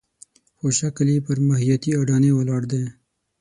خو شکل یې پر ماهیتي اډانې ولاړ دی.